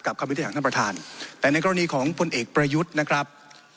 กับความวิทยาศาสตร์ท่านประธานแต่ในกรณีของผลเอกประยุทธ์นะครับ